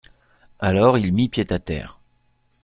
Alors il mit pied à terre.